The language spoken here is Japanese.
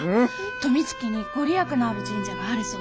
富突に御利益のある神社があるそうです。